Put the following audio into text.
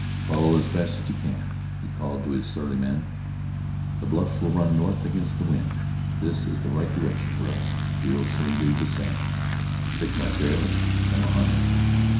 "Follow as fast as you can," he called to his surly men. "The buffs will run north against the wind. This is the right direction for us; we'll soon leave the sand. Stick to my trail and come a humming."